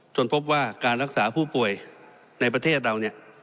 จนพบว่าการรักษาผู้ป่วยในประเทศเรา